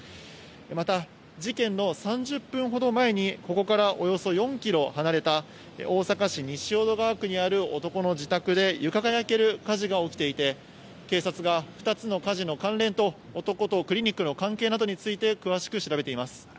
また、事件の３０分ほど前に、ここからおよそ４キロ離れた大阪市西淀川区にある男の自宅で、床が焼ける火事が起きていて、警察が２つの火事の関連と、男とクリニックの関係などについて詳しく調べています。